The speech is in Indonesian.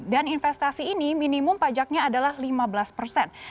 dan investasi ini minimum pajaknya adalah lima belas persen